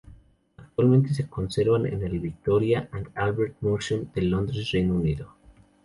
Actualmente se conserva en el Victoria and Albert Museum de Londres, Reino Unido.